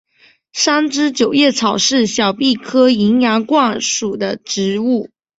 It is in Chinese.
三枝九叶草是小檗科淫羊藿属的植物。